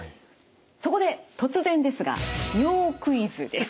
そこで突然ですが尿クイズです。